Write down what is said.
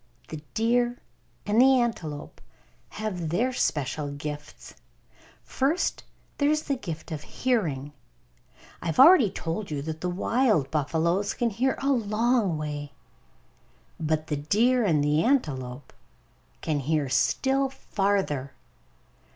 The deer and the antelope have their special gifts. First, there is their gift of hearing. I have already told you that the wild buffaloes can hear a long way; but the deer and the antelope can hear still farther.